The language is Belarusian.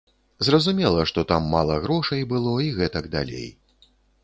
Зразумела, што там мала грошай было і гэтак далей.